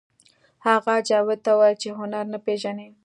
هغه جاوید ته وویل چې هنر نه پېژنئ